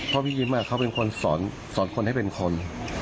พ่อพี่ยิมอะเขาเป็นคนสอนสอนคนให้เป็นคน